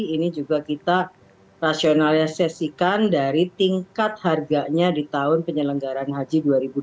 ini juga kita rasionalisasikan dari tingkat harganya di tahun penyelenggaraan haji dua ribu dua puluh